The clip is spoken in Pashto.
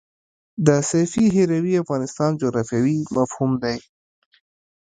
د سیفي هروي افغانستان جغرافیاوي مفهوم دی.